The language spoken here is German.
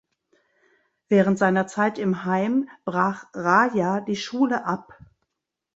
Während seiner Zeit im Heim brach Raja die Schule ab.